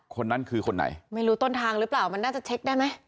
คนนั้นคือคนไหนไม่รู้ต้นทางหรือเปล่ามันน่าจะเช็คได้ไหม